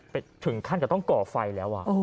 ไปถึงขั้นกันต้องก่อกไฟแล้วอะ